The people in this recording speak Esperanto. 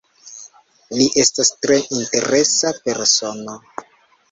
Li estas tre interesa persono.